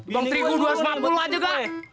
bang terigu dua ratus lima puluh aja gak